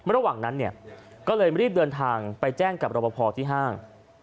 ระหว่างนั้นเนี่ยก็เลยรีบเดินทางไปแจ้งกับรบพอที่ห้าง